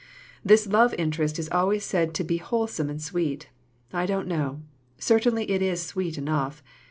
"This love interest is always said to be whole some and sweet. I don't know. Certainly it is sweet enough.